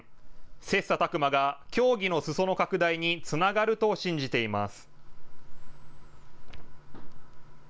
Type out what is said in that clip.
切さたく磨が競技のすそ野拡大につながると信じています。